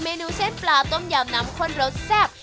วันนี้ขอบคุณพี่อมนต์มากเลยนะครับ